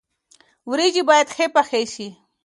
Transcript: ورجې باید ښې پخې شي.